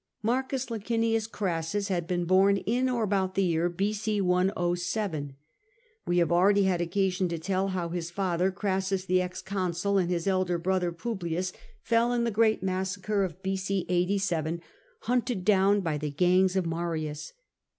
M. Licinus Crassus had been born in or about the year B.c. 107. We have already had occasion to tell how his father, Crassus the ex consul, and his elder brother, Publius, fell in the great massacre of B.o. 87, hunted down by the gangs of Marius.